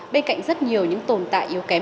bên cạnh rất nhiều những tồn tại yếu kém